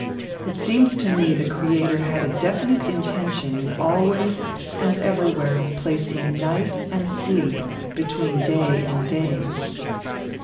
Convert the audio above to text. It seems to me the Creator had a definite intention in always and everywhere placing night and sleep between day and day."